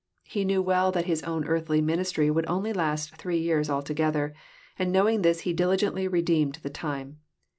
rHe knew well that his own earthly ministry would only last three years altogether, and knowing this He diligently redeemed the time.